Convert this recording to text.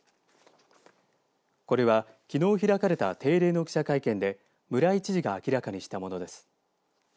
これは、きのう開かれた定例の記者会見で村井知事が明らかにしたものです。